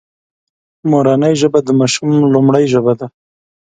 مورنۍ ژبه د ماشوم لومړۍ ژبه ده